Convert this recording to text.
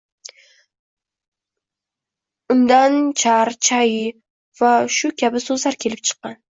Undan Char, Chai va shu kabi so’zlar kelibchiqqan.